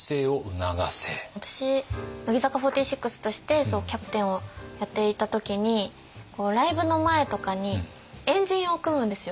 乃木坂４６としてキャプテンをやっていた時にライブの前とかに円陣を組むんですよ。